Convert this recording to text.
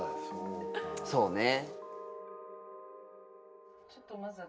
そうね。